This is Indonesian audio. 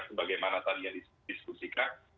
sebagaimana tadi yang didiskusikan